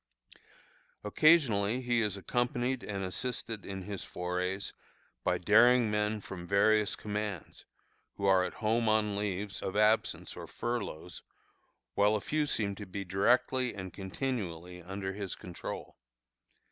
Occasionally he is accompanied and assisted in his forays by daring men from various commands, who are at home on leaves of absence or furloughs, while a few seem to be directly and continually under his control.